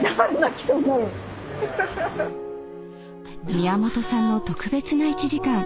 ［宮本さんの特別な１時間］